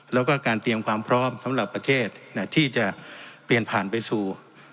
แล้วก็การเตรียมความพร้อมสำหรับประเทศที่จะเปลี่ยนผ่านไปสู่